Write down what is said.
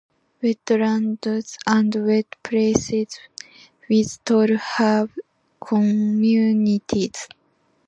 Wetlands and wet places with tall herb communities.